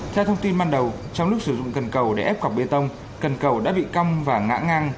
theo thông tin ban đầu trong lúc sử dụng cần cầu để ép quạc bê tông cần cầu đã bị cong và ngã ngang